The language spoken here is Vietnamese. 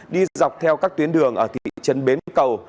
đi dọc theo các tuyến đường ở thị trấn bến cầu